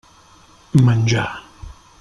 Menjar.